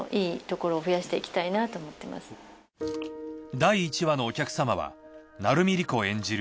第１話のお客様は成海璃子演じる